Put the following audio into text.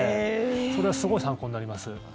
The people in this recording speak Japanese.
それはすごく参考になります。